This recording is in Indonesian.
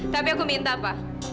tapi aku minta pak